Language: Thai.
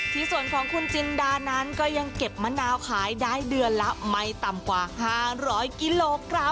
ที่ส่วนของคุณจินดานั้นก็ยังเก็บมะนาวขายได้เดือนละไม่ต่ำกว่า๕๐๐กิโลกรัม